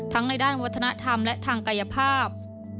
ในด้านวัฒนธรรมและทางกายภาพ